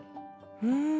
うん！